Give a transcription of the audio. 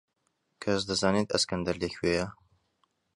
کەس دەزانێت ئەسکەندەر لەکوێیە؟